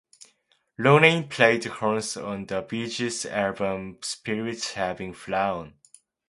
Loughnane played horns on the Bee Gees' album "Spirits Having Flown".